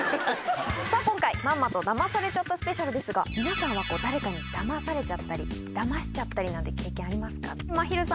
今回まんまとダマされちゃったスペシャルですが皆さんは誰かにダマされちゃったりダマしちゃったりなんて経験ありますか？